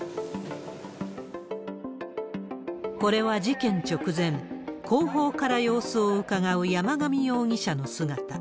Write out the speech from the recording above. これは事件直前、後方から様子をうかがう山上容疑者の姿。